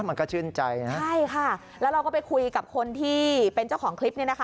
มันก็ชื่นใจนะใช่ค่ะแล้วเราก็ไปคุยกับคนที่เป็นเจ้าของคลิปเนี่ยนะคะ